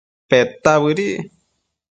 Peta bëdic